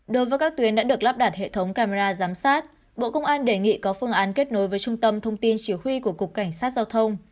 đối với các tuyến đã được lắp đặt hệ thống camera giám sát bộ công an đề nghị có phương án kết nối với trung tâm thông tin chỉ huy của cục cảnh sát giao thông